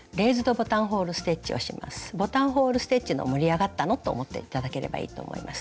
ボタンホール・ステッチの盛り上がったのと思って頂ければいいと思います。